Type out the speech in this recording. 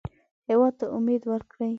هېواد ته امید ورکړئ